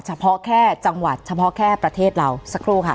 เฉพาะแค่จังหวัดเฉพาะแค่ประเทศเราสักครู่ค่ะ